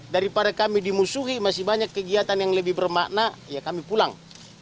daripada kami dimusuhi masih banyak kegiatan yang lebih bermakna ya kami pulang